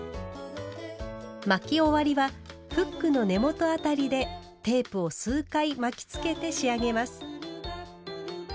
巻き終わりはフックの根元あたりでテープを数回巻きつけて仕上げます。